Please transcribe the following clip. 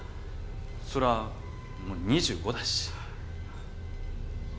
そりゃもう２５だし。